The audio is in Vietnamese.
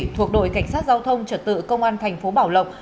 thuộc đội cảnh sát giao thông trật tự công an tp bảo lộc